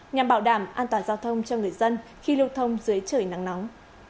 nhằm bảo đảm an toàn giao thông cho người dân khi lưu thông dưới trời nắng nóng